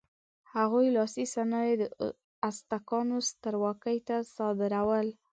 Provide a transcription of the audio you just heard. هغوی لاسي صنایع د ازتکانو سترواکۍ ته صادرول.